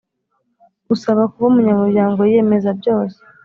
Usaba kuba umunyaryango yiyemeza byose